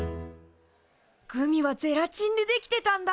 グミはゼラチンで出来てたんだ。